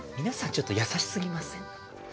皆さんちょっと優しすぎません？